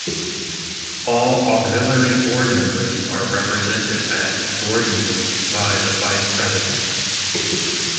All auxiliary board members are represented at Board Meetings by the Vice President.